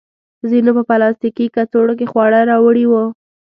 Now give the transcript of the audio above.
ځینو په پلاستیکي کڅوړو کې خواړه راوړي وو.